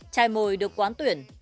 chai mồi được quán tuyển